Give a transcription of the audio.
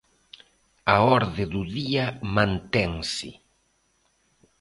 A orde do día mantense.